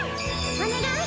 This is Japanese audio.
お願い！